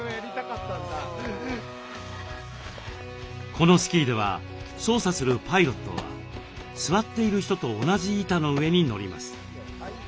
このスキーでは操作するパイロットは座っている人と同じ板の上に乗ります。